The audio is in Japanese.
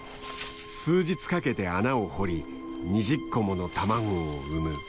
数日かけて穴を掘り２０個もの卵を産む。